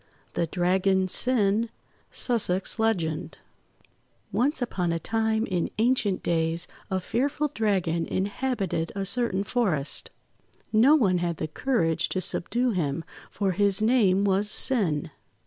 THE DRAGON SIN Sussex Legend ONCE upon a time, in ancient days, a fearful Dragon inhabited a certain forest. No one had the courage to subdue him, for his name was Sin.